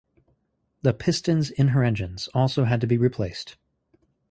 The pistons in her engines also had to be replaced.